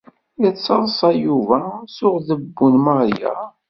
Yettaḍsa Yuba s uɣdebbu n Maria.